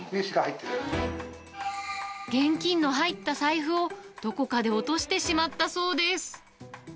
現金の入った財布を、どこかで落としてしまったそうです。